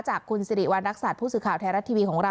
จากคุณสิริวัณรักษัตริย์ผู้สื่อข่าวไทยรัฐทีวีของเรา